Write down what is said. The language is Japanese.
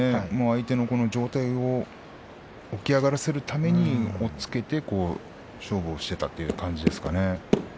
相手の上体を起き上がらせるために押っつけで勝負をしていたという感じでしたかね。